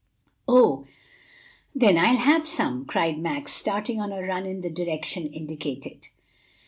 "Oh, then I'll have some!" cried Max, starting on a run in the direction indicated.